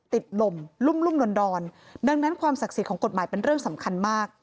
ติดลมรุ่มดอนดอนดังนั้นความศักดิ์สิทธิ์ของกฎหมายเป็นเรื่องสำคัญมาก